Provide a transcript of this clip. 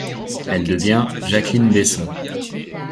Elle devient Jacqueline Besson.